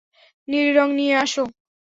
নীল রং নিয়ে আসো।